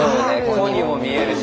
「こ」にも見えるし。